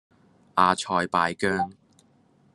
阿塞拜疆